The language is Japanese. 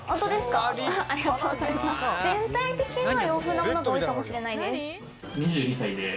全体的には洋風なものが多いかもしれないです。